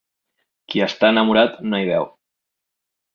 Qui està enamorat no hi veu.